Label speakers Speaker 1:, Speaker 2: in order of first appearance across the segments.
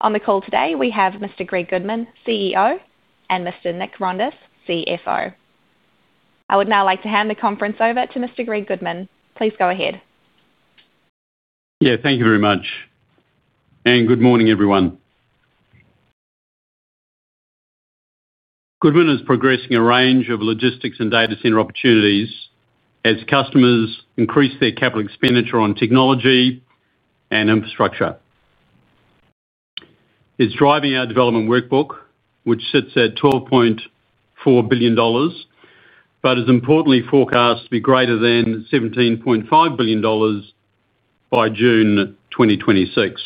Speaker 1: On the call today, we have Mr. Greg Goodman, CEO, and Mr. Nick Vrondas, CFO. I would now like to hand the conference over to Mr. Greg Goodman. Please go ahead.
Speaker 2: Yeah, thank you very much. And good morning, everyone. Goodman is progressing a range of logistics and data center opportunities as customers increase their capital expenditure on technology and infrastructure. It's driving our development workbook, which sits at $12.4 billion. But is importantly forecast to be greater than $17.5 billion. By June 2026.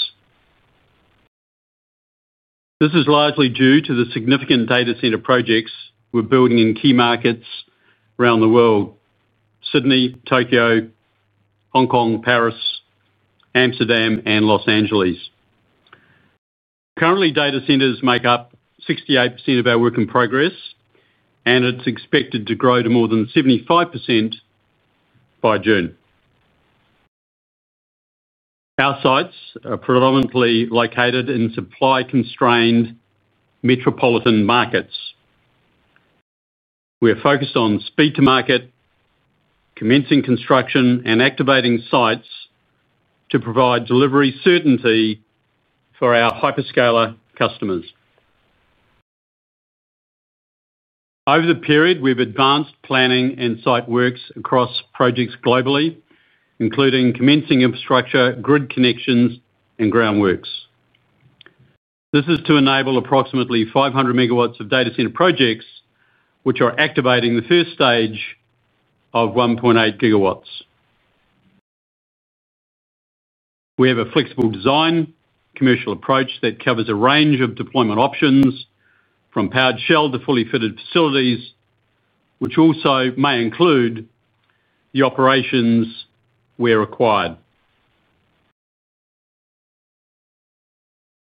Speaker 2: This is largely due to the significant data center projects we're building in key markets around the world: Sydney, Tokyo. Hong Kong, Paris. Amsterdam, and Los Angeles. Currently, data centers make up 68% of our work in progress. And it's expected to grow to more than 75%. By June. Our sites are predominantly located in supply-constrained metropolitan markets. We are focused on speed to market. Commencing construction, and activating sites to provide delivery certainty for our hyperscaler customers. Over the period, we've advanced planning and site works across projects globally, including commencing infrastructure, grid connections, and groundworks. This is to enable approximately 500 MW of data center projects, which are activating the first stage of 1.8 GW. We have a flexible design, commercial approach that covers a range of deployment options, from powered shell to fully fitted facilities, which also may include. The operations where required.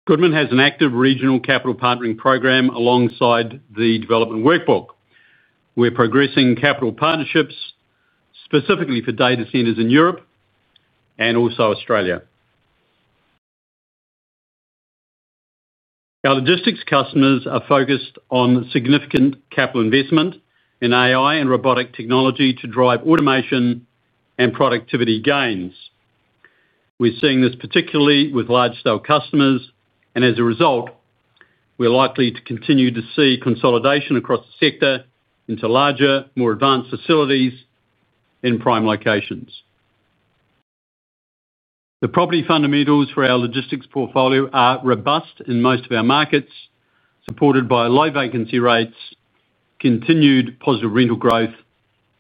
Speaker 2: Goodman has an active regional capital partnering program alongside the development workbook. We're progressing capital partnerships specifically for data centers in Europe. And also Australia. Our logistics customers are focused on significant capital investment in AI and robotic technology to drive automation and productivity gains. We're seeing this particularly with large-scale customers, and as a result. We're likely to continue to see consolidation across the sector into larger, more advanced facilities. In prime locations. The property fundamentals for our logistics portfolio are robust in most of our markets, supported by low vacancy rates, continued positive rental growth,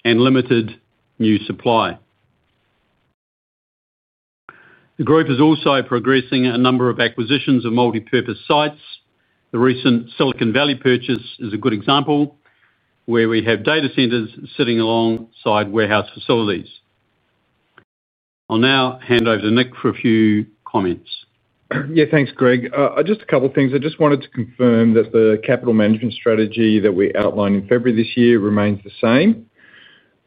Speaker 2: and limited new supply. The group is also progressing a number of acquisitions of multi-purpose sites. The recent Silicon Valley purchase is a good example where we have data centers sitting alongside warehouse facilities. I'll now hand over to Nick for a few comments.
Speaker 3: Yeah, thanks, Greg. Just a couple of things. I just wanted to confirm that the capital management strategy that we outlined in February this year remains the same.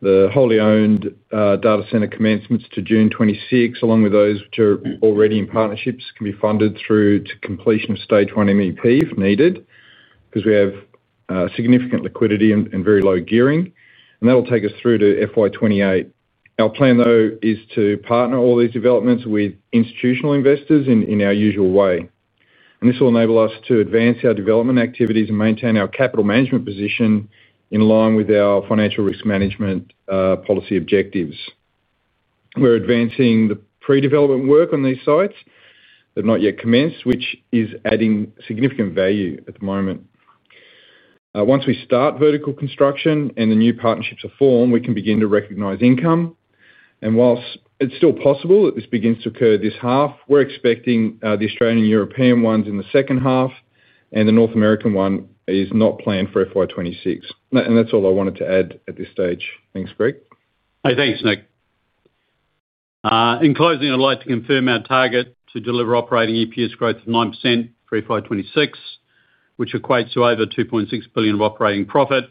Speaker 3: The wholly owned data center commencements to June 26, along with those which are already in partnerships, can be funded through to completion of stage one MEP if needed, because we have significant liquidity and very low gearing. And that'll take us through to FY 2028. Our plan, though, is to partner all these developments with institutional investors in our usual way. And this will enable us to advance our development activities and maintain our capital management position in line with our financial risk management policy objectives. We're advancing the pre-development work on these sites that have not yet commenced, which is adding significant value at the moment. Once we start vertical construction and the new partnerships are formed, we can begin to recognize income. And whilst it's still possible that this begins to occur this half, we're expecting the Australian and European ones in the second half, and the North American one is not planned for FY 2026. And that's all I wanted to add at this stage. Thanks, Greg.
Speaker 2: Hey, thanks, Nick. In closing, I'd like to confirm our target to deliver operating EPS growth of 9% for FY 2026, which equates to over 2.6 billion of operating profit.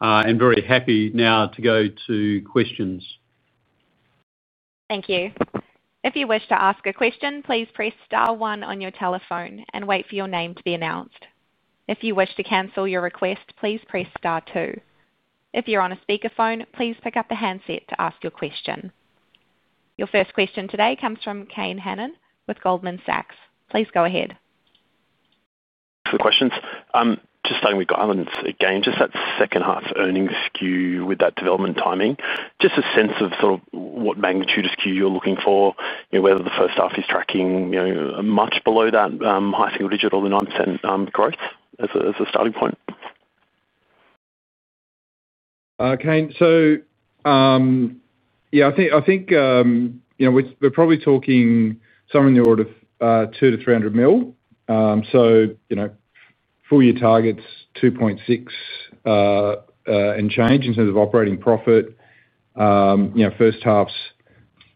Speaker 2: I'm very happy now to go to questions.
Speaker 1: Thank you. If you wish to ask a question, please press star one on your telephone and wait for your name to be announced. If you wish to cancel your request, please press star two. If you're on a speakerphone, please pick up the handset to ask your question. Your first question today comes from Kane Hannan with Goldman Sachs. Please go ahead.
Speaker 4: For questions. Just starting with Garland again, just that second half earnings skew with that development timing. Just a sense of sort of what magnitude of skew you're looking for, whether the first half is tracking much below that high single digit or the 9% growth as a starting point.
Speaker 3: Kane, so. Yeah, I think. We're probably talking somewhere in the order of $200 million-$300 million. So. Four-year targets, $2.6 milllion. And change in terms of operating profit. First half's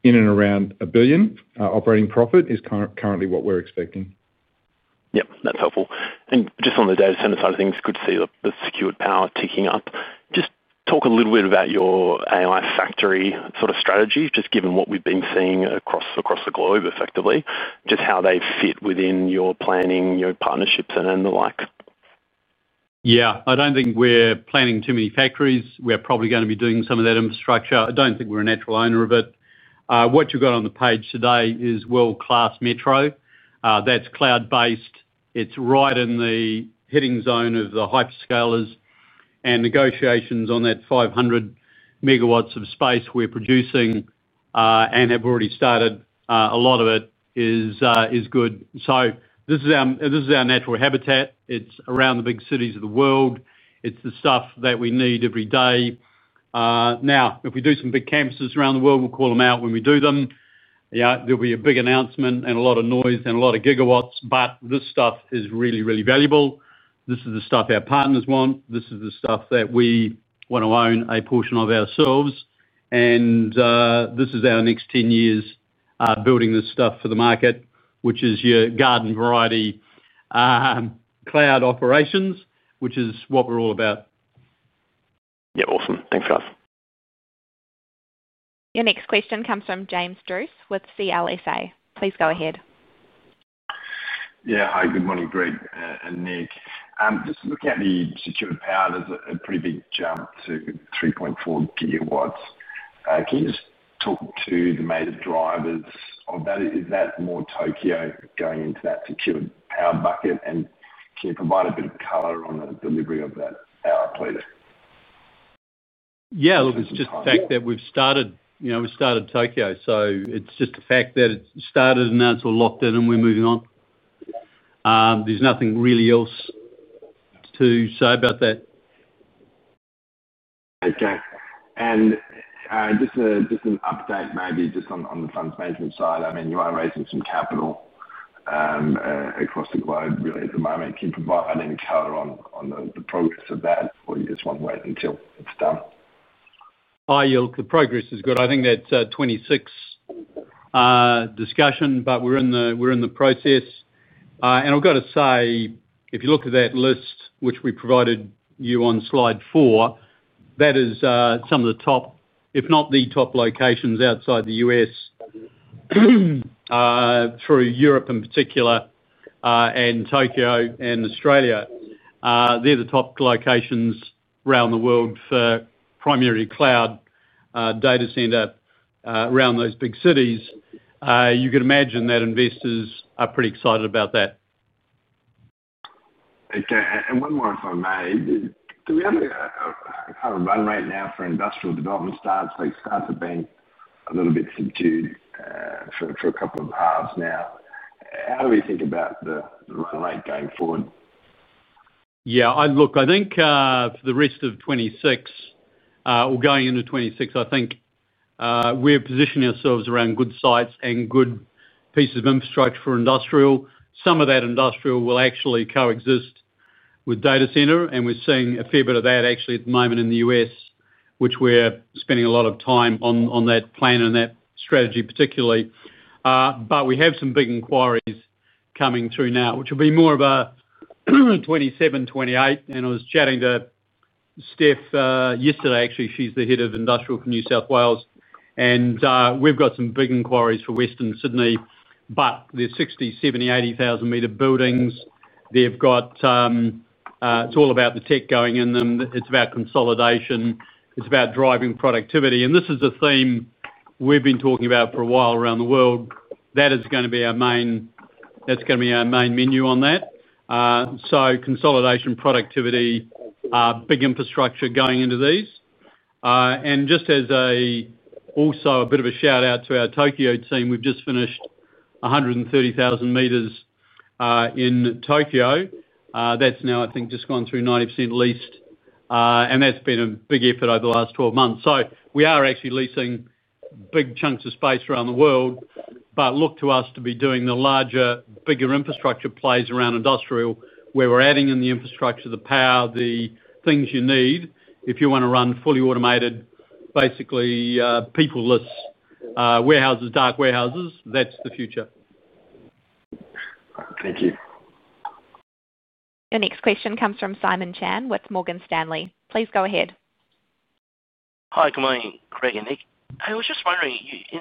Speaker 3: in and around a billion. Operating profit is currently what we're expecting.
Speaker 4: Yep, that's helpful. And just on the data center side of things, good to see the secured power ticking up. Just talk a little bit about your AI factory sort of strategy, just given what we've been seeing across the globe effectively, just how they fit within your planning, your partnerships, and the like.
Speaker 2: Yeah, I don't think we're planning too many factories. We're probably going to be doing some of that infrastructure. I don't think we're a natural owner of it. What you've got on the page today is world-class metro. That's cloud-based. It's right in the hitting zone of the hyperscalers. And negotiations on that 500 MW of space we're producing. And have already started, a lot of it is good. So this is our natural habitat. It's around the big cities of the world. It's the stuff that we need every day. Now, if we do some big campuses around the world, we'll call them out when we do them. There'll be a big announcement and a lot of noise and a lot of gigawatts. But this stuff is really, really valuable. This is the stuff our partners want. This is the stuff that we want to own a portion of ourselves. And. This is our next 10 years building this stuff for the market, which is your garden variety. Cloud operations, which is what we're all about.
Speaker 4: Yeah, awesome. Thanks for asking.
Speaker 1: Your next question comes from James Druce with CLSA. Please go ahead.
Speaker 5: Yeah, hi, good morning, Greg and Nick. Just looking at the secured power, there's a pretty big jump to 3.4 GW. Can you just talk to the major drivers of that? Is that more Tokyo going into that secured power bucket? And can you provide a bit of color on the delivery of that power please?
Speaker 2: Yeah, look, it's just the fact that we've started. Tokyo. So it's just the fact that it started and now it's all locked in and we're moving on. There's nothing really else. To say about that.
Speaker 5: Okay. Just an update maybe just on the funds management side. I mean, you are raising some capital across the globe at the moment. Can you provide any color on the progress of that, or you just want to wait until it's done?
Speaker 2: The progress is good. I think that's 2026. Discussion, but we're in the process. And I've got to say, if you look at that list, which we provided you on Slide 4, that is some of the top, if not the top, locations outside the U.S. Through Europe in particular. And Tokyo and Australia. They're the top locations around the world for primary cloud data center around those big cities. You can imagine that investors are pretty excited about that.
Speaker 5: Okay. And one more, if I may. Do we have a kind of run rate now for industrial development starts? Like starts have been a little bit subdued for a couple of halves now. How do we think about the run rate going forward?
Speaker 2: Yeah, look, I think for the rest of 2026. Or going into 2026, I think. We're positioning ourselves around good sites and good pieces of infrastructure for industrial. Some of that industrial will actually coexist with data center. And we're seeing a fair bit of that actually at the moment in the U.S., which we're spending a lot of time on that plan and that strategy particularly. But we have some big inquiries coming through now, which will be more of a. 2027, 2028. And I was chatting to. Steph yesterday, actually. She's the head of industrial for New South Wales. And we've got some big inquiries for Western Sydney. But there's 60,000 m 70,000m, 80,000 m buildings. They've got. It's all about the tech going in them. It's about consolidation. It's about driving productivity. And this is a theme we've been talking about for a while around the world. That is going to be our main, that's going to be our main menu on that. So consolidation, productivity, big infrastructure going into these. And just as. Also a bit of a shout out to our Tokyo team, we've just finished 130,000 m. In Tokyo. That's now, I think, just gone through 90% leased. And that's been a big effort over the last 12 months. So we are actually leasing big chunks of space around the world. But look to us to be doing the larger, bigger infrastructure plays around industrial, where we're adding in the infrastructure, the power, the things you need. If you want to run fully automated, basically people-less warehouses, dark warehouses, that's the future.
Speaker 5: Thank you.
Speaker 1: Your next question comes from Simon Chan with Morgan Stanley. Please go ahead.
Speaker 6: Hi, good morning, Greg and Nick. I was just wondering,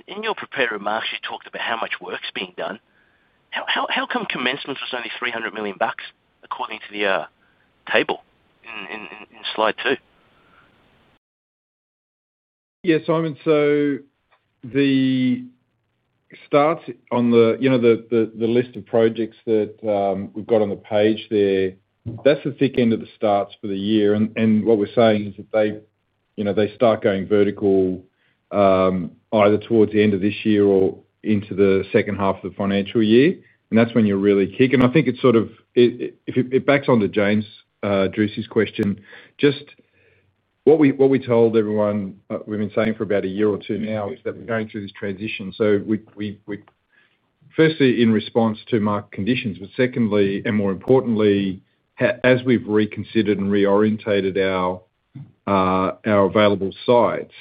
Speaker 6: in your prepared remarks, you talked about how much work's being done. How come commencements was only $300 million according to the. Table in Slide 2?
Speaker 3: Yeah, Simon. So the starts on the list of projects that we've got on the page there, that's the thick end of the starts for the year. And what we're saying is that they start going vertical either towards the end of this year or into the second half of the financial year. And that's when you're really kicking. I think it's sort of it backs onto James Druce's question. Just what we told everyone, we've been saying for about a year or two now is that we're going through this transition. So firstly in response to market conditions, but secondly, and more importantly, as we've reconsidered and reoriented our available sites,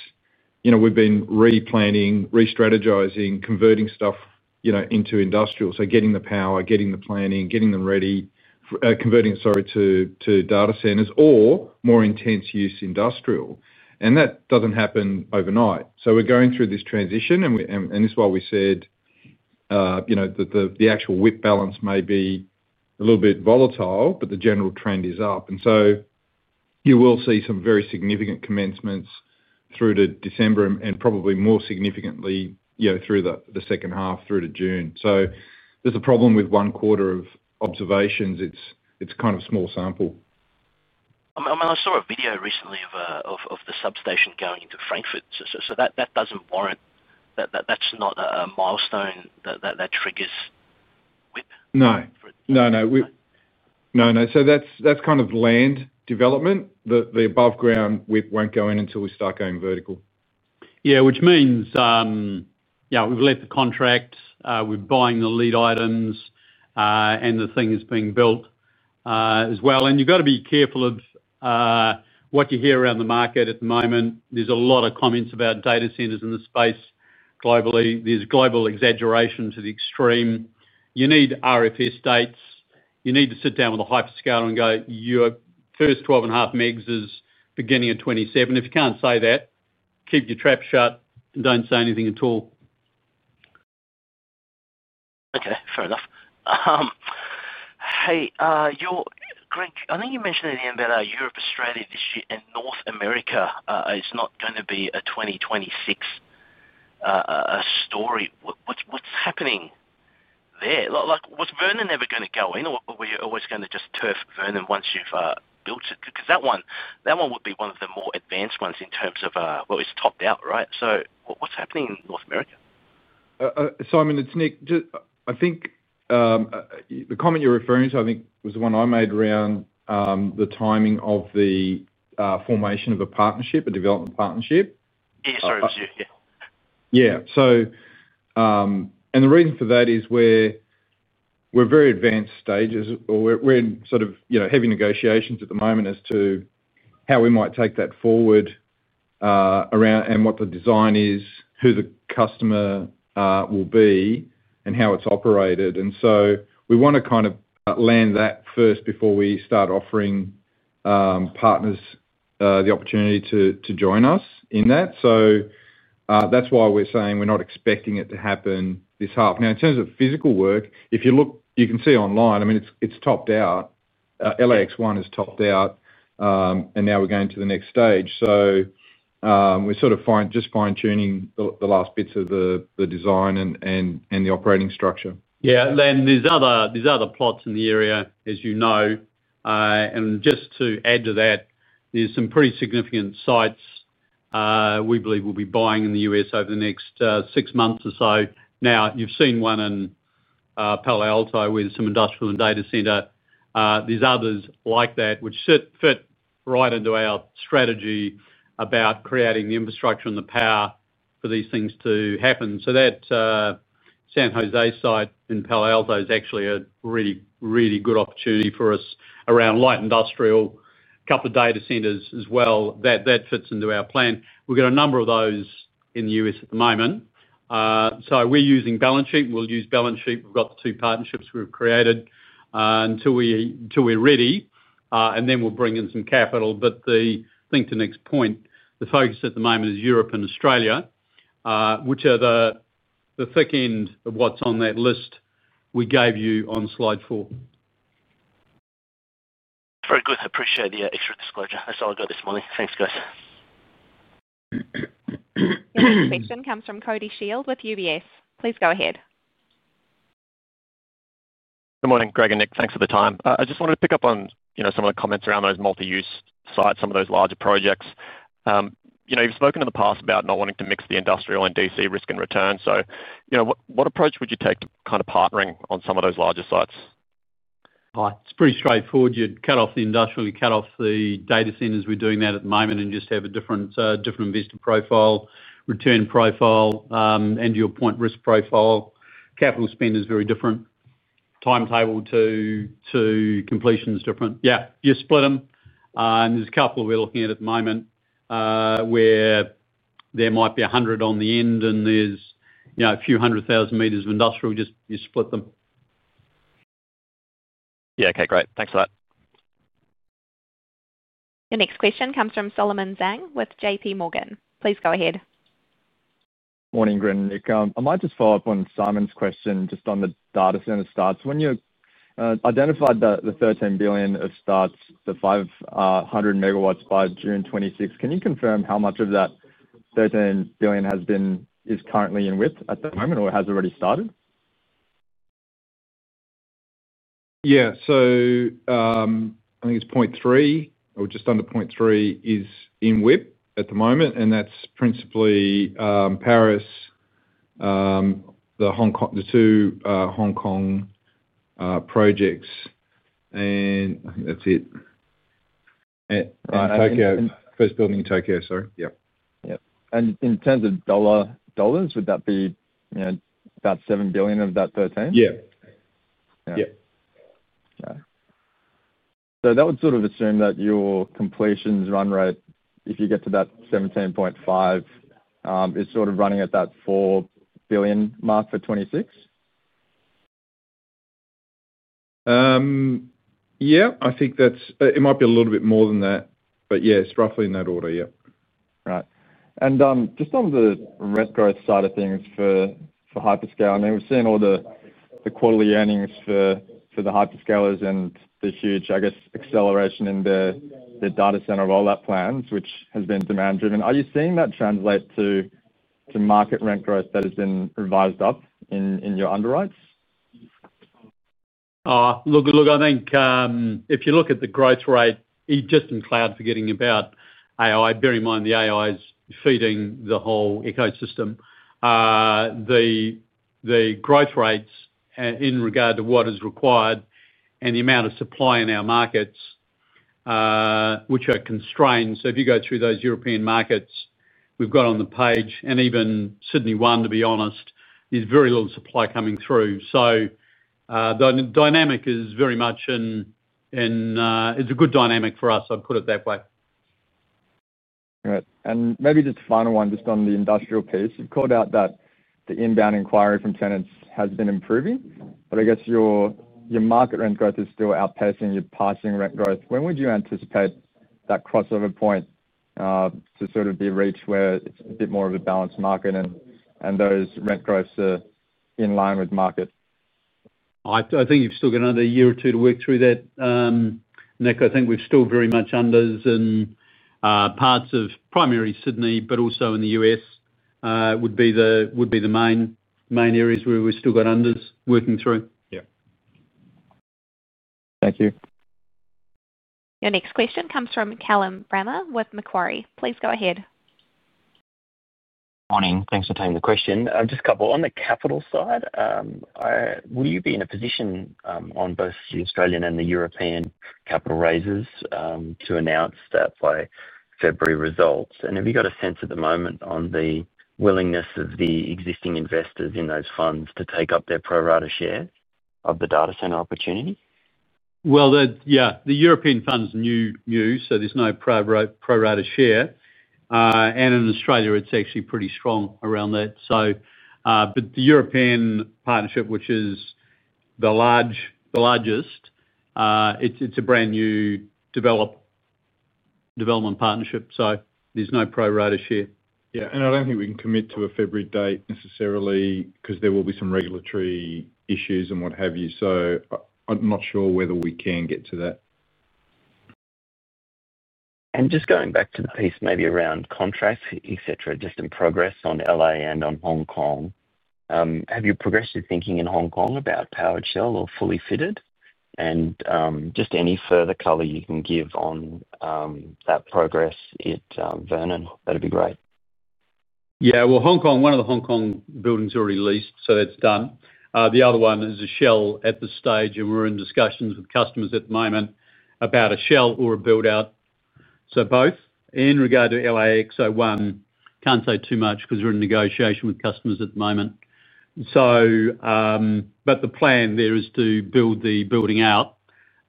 Speaker 3: we've been replanning, restrategizing, converting stuff into industrial. So getting the power, getting the planning, getting them ready, converting, sorry, to data centers or more intense use industrial. And that doesn't happen overnight. So we're going through this transition, and this is why we said that the actual WIP balance may be a little bit volatile, but the general trend is up. And so you will see some very significant commencements through to December and probably more significantly through the second half, through to June. So there's a problem with one quarter of observations. It's kind of a small sample.
Speaker 6: I mean, I saw a video recently of the substation going into Frankfurt. So that doesn't warrant, that's not a milestone that triggers WIP?
Speaker 3: No, no, no. No, no. So that's kind of land development. The above-ground WIP won't go in until we start going vertical.
Speaker 2: Yeah, which means. Yeah, we've inked the contracts. We're buying the land. And the thing is being built as well. And you've got to be careful of what you hear around the market at the moment. There's a lot of comments about data centers in the space globally. There's global exaggeration to the extreme. You need RFS dates. You need to sit down with a hyperscaler and go, "Your first 12 and a half megs is beginning of 2027." If you can't say that, keep your trap shut and don't say anything at all.
Speaker 6: Okay, fair enough. Hey, Greg, I think you mentioned at the end about our Europe, Australia, this year, and North America. It's not going to be a 2026 story. What's happening there? Was Vernon ever going to go in, or were you always going to just turf Vernon once you've built it? Because that one would be one of the more advanced ones in terms of, well, it's topped out, right? So what's happening in North America?
Speaker 3: Simon, it's Nick. I think. The comment you're referring to, I think, was the one I made around the timing of the. Formation of a partnership, a development partnership.
Speaker 6: Yeah, sorry, it was you.
Speaker 3: Yeah. So. And the reason for that is we're very advanced stages, or we're in sort of heavy negotiations at the moment as to how we might take that forward. Around and what the design is, who the customer will be, and how it's operated. And so we want to kind of land that first before we start offering. Partners the opportunity to join us in that. So. That's why we're saying we're not expecting it to happen this half. Now, in terms of physical work, if you look, you can see online, I mean, it's topped out. LAX01 is topped out. And now we're going to the next stage. So. We're sort of just fine-tuning the last bits of the design and the operating structure.
Speaker 2: Yeah, there's other plots in the area, as you know. And just to add to that, there's some pretty significant sites. We believe we'll be buying in the U.S. over the next six months or so. Now, you've seen one in Palo Alto with some industrial and data center. There's others like that, which fit right into our strategy about creating the infrastructure and the power for these things to happen. So that. San Jose site in Palo Alto is actually a really, really good opportunity for us around light industrial, a couple of data centers as well. That fits into our plan. We've got a number of those in the U.S. at the moment. So we're using balance sheet. We'll use balance sheet. We've got the two partnerships we've created. Until we're ready. And then we'll bring in some capital. But I think to Nick's point, the focus at the moment is Europe and Australia, which are the thick end of what's on that list we gave you on Slide 4.
Speaker 6: Very good. Appreciate the extra disclosure. That's all I've got this morning. Thanks, guys.
Speaker 1: Your next question comes from Cody Shield with UBS. Please go ahead.
Speaker 7: Good morning, Greg and Nick. Thanks for the time. I just wanted to pick up on some of the comments around those multi-use sites, some of those larger projects. You've spoken in the past about not wanting to mix the industrial and DC risk and return. So what approach would you take to kind of partnering on some of those larger sites?
Speaker 2: It's pretty straightforward. You'd cut off the industrial, you'd cut off the data centers. We're doing that at the moment and just have a different investor profile, return profile, and your point risk profile. Capital spend is very different. Timetable to completion is different. Yeah, you split them. There's a couple we're looking at at the moment. Where there might be 100 on the end and there's a few hundred thousand meters of industrial, just you split them.
Speaker 7: Yeah, okay, great. Thanks for that.
Speaker 1: Your next question comes from Solomon Zhang with JPMorgan. Please go ahead.
Speaker 8: Morning, Greg and Nick. I might just follow up on Simon's question just on the data center starts. When you identified the $13 billion of starts, the 500 MW by June 26th, can you confirm how much of that $13 billion is currently in WIP at the moment or has already started?
Speaker 3: Yeah, so. I think it's 0.3 or just under 0.3 is in WIP at the moment. And that's principally. Paris. The two. Hong Kong. Projects. And I think that's it.
Speaker 8: And.
Speaker 3: First building in Tokyo, sorry. Yeah.
Speaker 8: Yeah. And in terms of dollars, would that be. About $7 billion of that $13 billion?
Speaker 3: Yeah. Yeah.
Speaker 8: Okay. So that would sort of assume that your completions run rate, if you get to that $17.5 billion. Is sort of running at that $4 billion mark for 2026?
Speaker 3: Yeah, I think it might be a little bit more than that. But yeah, it's roughly in that order, yeah.
Speaker 8: Right. And just on the rent growth side of things for hyperscalers, we've seen all the quarterly earnings for the hyperscalers and the huge, I guess, acceleration in the data center development of all their plans, which has been demand-driven. Are you seeing that translate to market rent growth that has been revised up in your underwrites?
Speaker 2: Look, I think if you look at the growth rate, just in cloud, forgetting about AI, bear in mind the AI is feeding the whole ecosystem. The. Growth rates in regard to what is required and the amount of supply in our markets. Which are constrained. So if you go through those European markets, we've got on the page, and even Sydney One, to be honest, there's very little supply coming through. So. The dynamic is very much in. It's a good dynamic for us, I'd put it that way.
Speaker 8: Right. And maybe just a final one, just on the industrial piece. You've called out that the inbound inquiry from tenants has been improving. But I guess your market rent growth is still outpacing your passing rent growth. When would you anticipate that crossover point. To sort of be reached where it's a bit more of a balanced market and those rent growths are in line with market?
Speaker 2: I think you've still got another year or two to work through that. Nick, I think we're still very much unders in. Parts of primary Sydney, but also in the U.S. would be the main areas where we've still got unders working through.
Speaker 8: Yeah. Thank you.
Speaker 1: Your next question comes from Callum Bramah with Macquarie. Please go ahead.
Speaker 9: Morning. Thanks for taking the question. Just a couple. On the capital side. Will you be in a position on both the Australian and the European capital raisers to announce that by February results? And have you got a sense at the moment on the willingness of the existing investors in those funds to take up their pro-rata share of the data center opportunity?
Speaker 2: Yeah, the European funds are new, so there's no pro-rata share. And in Australia, it's actually pretty strong around that. But the European partnership, which is the largest, it's a brand new partnership. So there's no pro-rata share.
Speaker 3: Yeah. And I don't think we can commit to a February date necessarily because there will be some regulatory issues and what have you. So I'm not sure whether we can get to that.
Speaker 9: And just going back to the piece maybe around contracts, etc., just in progress on LA and on Hong Kong. Have you progressed your thinking in Hong Kong about Powered Shell or Fully-Fitted? And just any further colour you can give on. That progress, Vernon, that'd be great.
Speaker 2: Yeah. Well, one of the Hong Kong buildings already leased, so that's done. The other one is a shell at this stage, and we're in discussions with customers at the moment about a shell or a build-out. So both. In regard to LAX01, can't say too much because we're in negotiation with customers at the moment. But the plan there is to build the building out.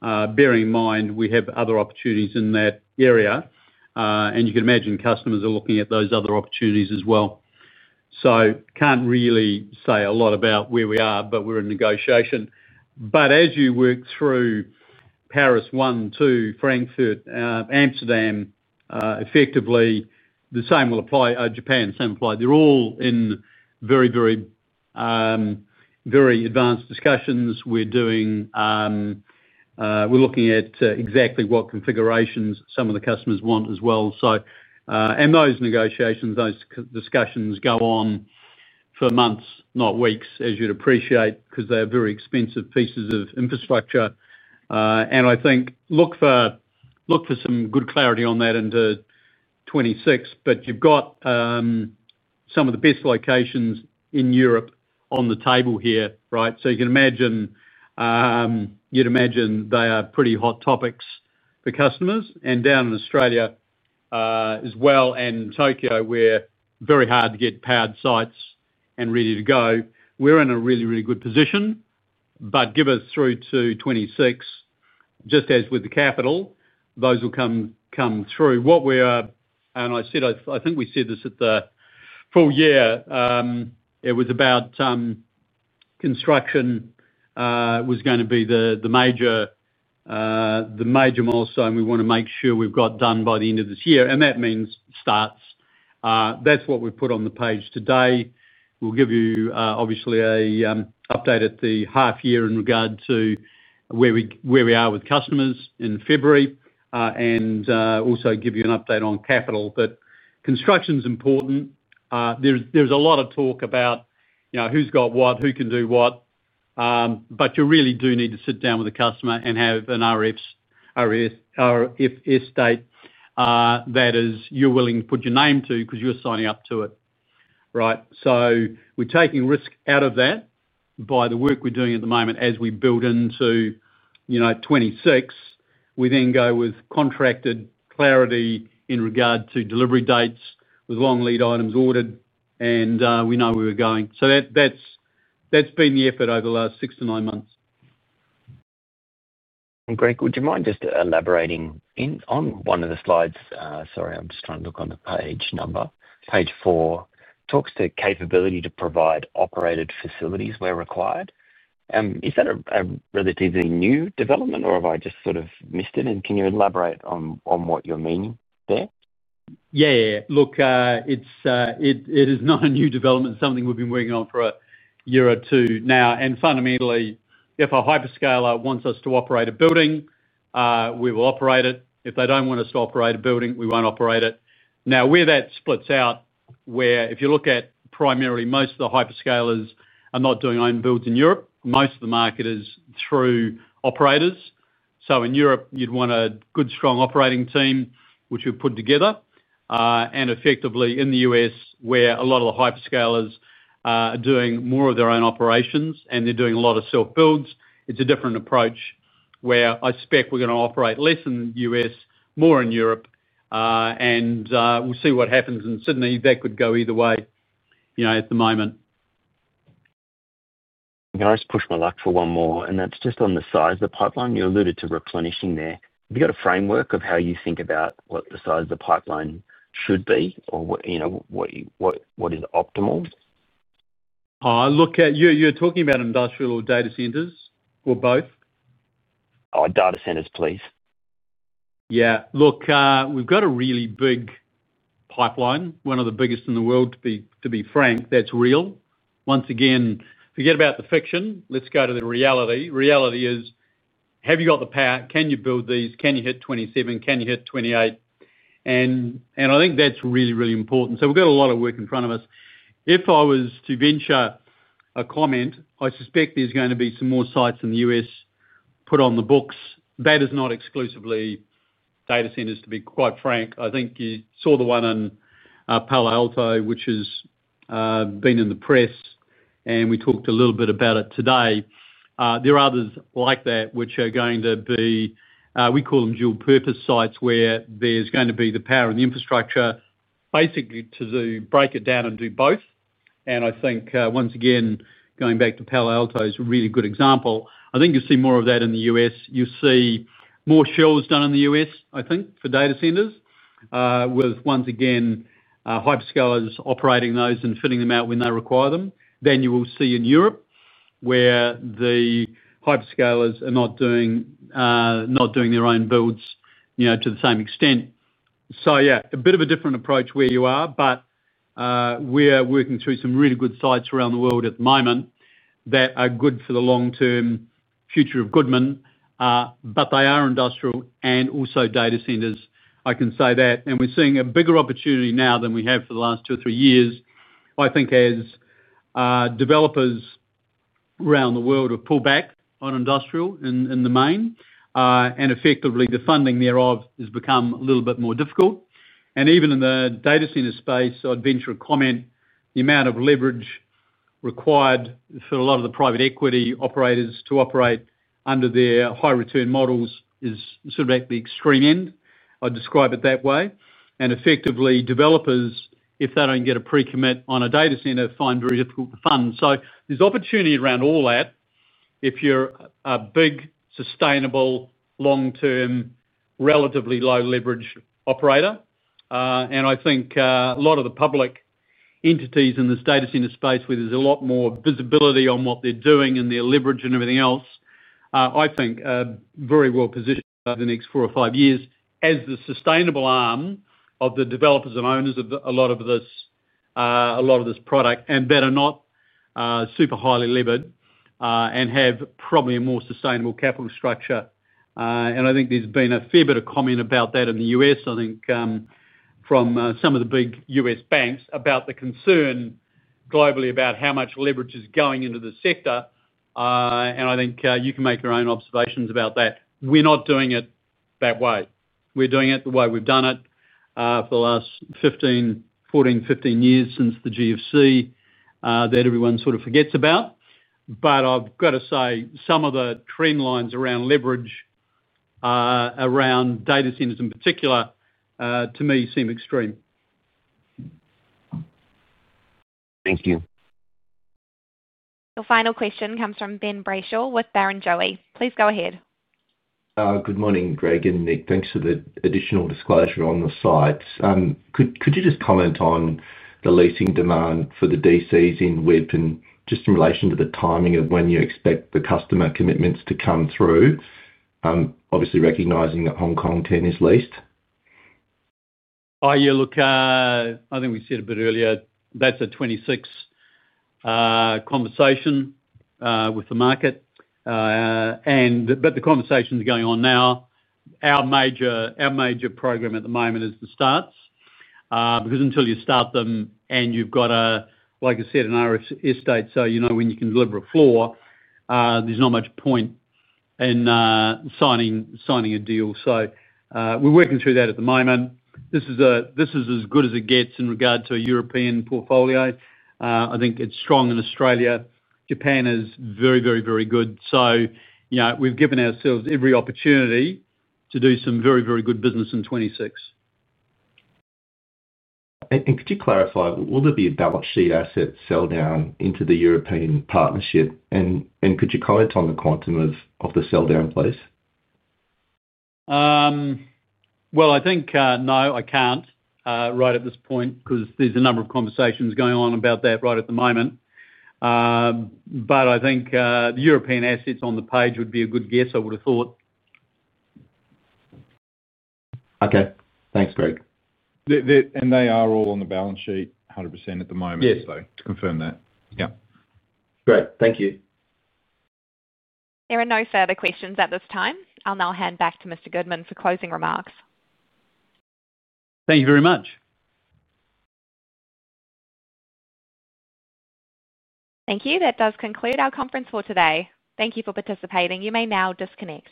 Speaker 2: Bearing in mind we have other opportunities in that area. And you can imagine customers are looking at those other opportunities as well. So can't really say a lot about where we are, but we're in negotiation. But as you work through. Paris One, Two, Frankfurt, Amsterdam. Effectively, the same will apply. Japan, same apply. They're all in very, very. Advanced discussions. We're looking at exactly what configurations some of the customers want as well. And those negotiations, those discussions go on. For months, not weeks, as you'd appreciate, because they are very expensive pieces of infrastructure. And I think look for. Some good clarity on that into 2026. But you've got. Some of the best locations in Europe on the table here, right? So you can imagine. You'd imagine they are pretty hot topics for customers. And down in Australia. As well, and Tokyo, where very hard to get powered sites and ready to go. We're in a really, really good position. But give us through to 2026. Just as with the capital, those will come through. What we're—and I said I think we said this at the full year. It was about. Construction. Was going to be the major. Milestone we want to make sure we've got done by the end of this year. And that means starts. That's what we've put on the page today. We'll give you, obviously, an update at the half year in regard to where we are with customers in February. And also give you an update on capital. But construction's important. There's a lot of talk about. Who's got what, who can do what. But you really do need to sit down with a customer and have an RFS date. That is you're willing to put your name to because you're signing up to it, right? So we're taking risk out of that by the work we're doing at the moment as we build into. 2026. We then go with contracted clarity in regard to delivery dates with long lead items ordered, and we know where we're going. So that's been the effort over the last six to nine months.
Speaker 9: And Greg, would you mind just elaborating on one of the slides? Sorry, I'm just trying to look on the page number. Page four talks to capability to provide operated facilities where required. Is that a relatively new development, or have I just sort of missed it? And can you elaborate on what you're meaning there?
Speaker 2: Yeah, yeah. Look, it is not a new development. It's something we've been working on for a year or two now. And fundamentally, if a hyperscaler wants us to operate a building, we will operate it. If they don't want us to operate a building, we won't operate it. Now, where that splits out, where if you look at primarily most of the hyperscalers are not doing own builds in Europe, most of the market is through operators. So in Europe, you'd want a good, strong operating team, which we've put together. And effectively, in the U.S., where a lot of the hyperscalers are doing more of their own operations and they're doing a lot of self-builds, it's a different approach where I spec we're going to operate less in the U.S., more in Europe. And we'll see what happens in Sydney. That could go either way at the moment.
Speaker 9: Can I just push my luck for one more? And that's just on the size of the pipeline. You alluded to replenishing there. Have you got a framework of how you think about what the size of the pipeline should be or. What is optimal?
Speaker 2: You're talking about industrial or data centers or both?
Speaker 9: Data centers, please.
Speaker 2: Yeah. Look, we've got a really big. Pipeline, one of the biggest in the world, to be frank. That's real. Once again, forget about the fiction. Let's go to the reality. Reality is, have you got the power? Can you build these? Can you hit 2027? Can you hit 2028? And I think that's really, really important. So we've got a lot of work in front of us. If I was to venture a comment, I suspect there's going to be some more sites in the U.S. put on the books. That is not exclusively data centers, to be quite frank. I think you saw the one in Palo Alto, which has. Been in the press, and we talked a little bit about it today. There are others like that, which are going to be—we call them dual-purpose sites—where there's going to be the power and the infrastructure, basically to break it down and do both. And I think, once again, going back to Palo Alto is a really good example. I think you'll see more of that in the U.S. You'll see more shells done in the U.S., I think, for data centers. With, once again, hyperscalers operating those and fitting them out when they require them. Then you will see in Europe where the hyperscalers are not doing. Their own builds to the same extent. So yeah, a bit of a different approach where you are. But. We're working through some really good sites around the world at the moment that are good for the long-term future of Goodman. But they are industrial and also data centers. I can say that. And we're seeing a bigger opportunity now than we have for the last two or three years, I think, as. Developers. Around the world have pulled back on industrial in the main. And effectively, the funding thereof has become a little bit more difficult. And even in the data center space, I'd venture a comment, the amount of leverage required for a lot of the private equity operators to operate under their high-return models is sort of at the extreme end. I'd describe it that way. And effectively, developers, if they don't get a pre-commit on a data center, find very difficult to fund. So there's opportunity around all that if you're a big, sustainable, long-term, relatively low-leverage operator. And I think a lot of the public. Entities in this data center space, where there's a lot more visibility on what they're doing and their leverage and everything else, I think are very well positioned over the next four or five years as the sustainable arm of the developers and owners of a lot of this, a lot of this product, and better not. Super highly levered, and have probably a more sustainable capital structure. And I think there's been a fair bit of comment about that in the U.S. I think. From some of the big U.S. banks about the concern. Globally about how much leverage is going into the sector. And I think you can make your own observations about that. We're not doing it that way. We're doing it the way we've done it for the last 14, 15 years since the GFC. That everyone sort of forgets about. But I've got to say, some of the trend lines around leverage. Around data centers in particular. To me, seem extreme.
Speaker 9: Thank you.
Speaker 1: Your final question comes from Ben Brayshaw with Barrenjoey. Please go ahead.
Speaker 10: Good morning, Greg and Nick. Thanks for the additional disclosure on the sites. Could you just comment on the leasing demand for the DCs in Whip and just in relation to the timing of when you expect the customer commitments to come through. Obviously recognizing that Hong Kong 10 is leased?
Speaker 2: Yeah. Look, I think we said a bit earlier, that's a 2026. Conversation with the market. But the conversation's going on now. Our major. Program at the moment is the starts. Because until you start them and you've got, like I said, an RFS date, so you know when you can deliver a floor, there's not much point. In signing a deal. So we're working through that at the moment. This is as good as it gets in regard to a European portfolio. I think it's strong in Australia. Japan is very, very, very good. So we've given ourselves every opportunity to do some very, very good business in 2026.
Speaker 10: And could you clarify, will there be a balance sheet asset sell down into the European partnership? And could you comment on the quantum of the sell down, please?
Speaker 2: Well, I think no, I can't right at this point because there's a number of conversations going on about that right at the moment. But I think the European assets on the page would be a good guess I would have thought.
Speaker 10: Okay. Thanks, Greg.
Speaker 3: And they are all on the balance sheet 100% at the moment, so to confirm that. Yeah.
Speaker 10: Great. Thank you.
Speaker 1: There are no further questions at this time. I'll now hand back to Mr. Goodman for closing remarks.
Speaker 2: Thank you very much.
Speaker 1: Thank you. That does conclude our conference for today. Thank you for participating. You may now disconnect.